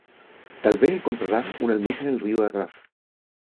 Tal vez encontrarás una almeja en el río de atrás.